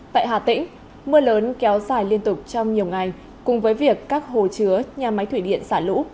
tại hà tĩnh mưa lớn kéo dài liên tục trong nhiều ngày cùng với việc các hồ chứa nhà máy thủy điện xả lũ